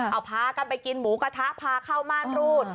เอาพากันไปกินหมูกระทะพาเข้าม่านรูด